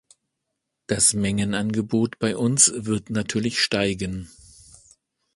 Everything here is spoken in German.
Das Mengenangebot bei uns wird natürlich steigen.